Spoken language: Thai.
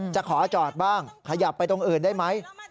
จะขอจอดบ้างขยับไปตรงอื่นได้ไหม